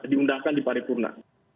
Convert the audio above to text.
diundangkan di paripurna